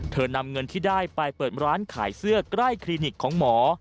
นำเงินที่ได้ไปเปิดร้านขายเสื้อใกล้คลินิกของหมอ